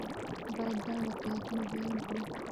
باید دا واقعیتونه بیان کړو.